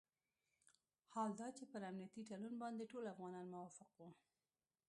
حال دا چې پر امنیتي تړون باندې ټول افغانان موافق وو.